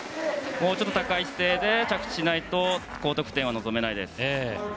もうちょっと高い姿勢で着地しないと高得点は望めないです。